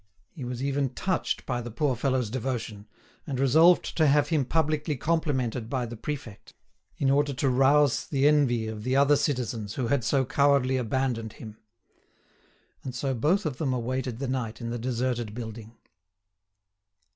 He was even touched by the poor fellow's devotion, and resolved to have him publicly complimented by the prefect, in order to rouse the envy of the other citizens who had so cowardly abandoned him. And so both of them awaited the night in the deserted building.